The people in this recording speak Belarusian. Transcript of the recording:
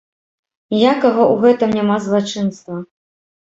Ніякага ў гэтым няма злачынства!